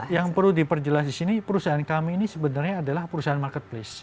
yang perlu diperjelas di sini perusahaan kami ini sebenarnya adalah perusahaan marketplace